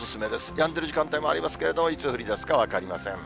やんでる時間帯もありますけれども、いつ降りだすか分かりません。